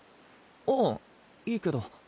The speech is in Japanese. うんいいけど。